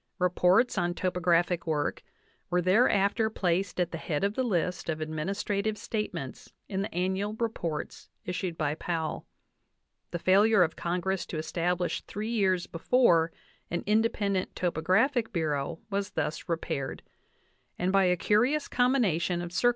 (Reports on topographic work were thereafter placed at the head of the list of administrative statements in the annual reports issued by Powell. The failure of Congress to establish three years before an independent topographic bu reau was thus repaired, and by a curious combination of cir 49 NATIONAL ACADEMY BIOGRAPHICAL MEMOIRS VOL.